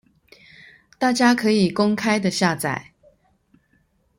大家可以公開的下載